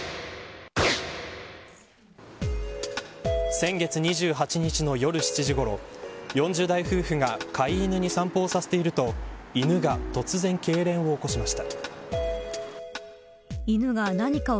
先月２８日の夜７時ごろ４０代夫婦が飼い犬に散歩をさせていると犬が突然けいれんを起こしました。